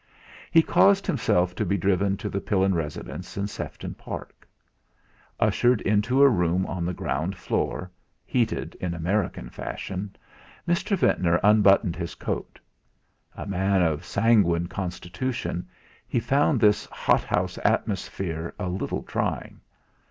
He caused himself to be driven to the Pillin residence in Sefton Park. Ushered into a room on the ground floor, heated in American fashion, Mr. Ventnor unbuttoned his coat. A man of sanguine constitution, he found this hot house atmosphere a little trying.